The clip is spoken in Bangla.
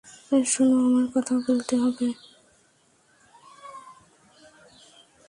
শোনো, আমাদের কথা বলতে হবে!